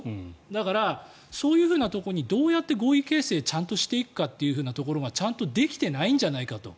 だから、そういうふうなところにどうやって合意形成をちゃんとしていくかというところがちゃんとできてないんじゃないかと。